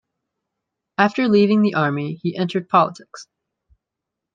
After leaving the army, he entered politics.